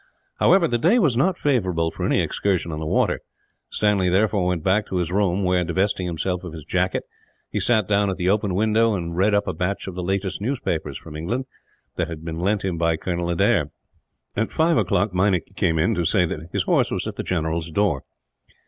However, the day was not favourable for an excursion on the water. Stanley therefore went back to his room where, divesting himself of his jacket, he sat down at the open window, and read up a batch of the last newspapers, from England, that had been lent him by Colonel Adair. At five o'clock Meinik came in, to say that his horse was at the general's door.